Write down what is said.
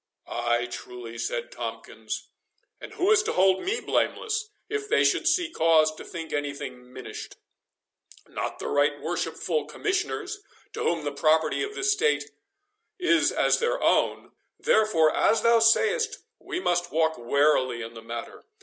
"Ay, truly," said Tomkins; "and who is to hold me blameless, if they should see cause to think any thing minished? Not the right worshipful Commissioners, to whom the property of the estate is as their own; therefore, as thou say'st, we must walk warily in the matter.